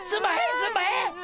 すんまへん！